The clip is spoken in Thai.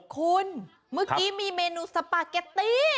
คุณเมื่อกี้มีเมนูสปาเกตตี้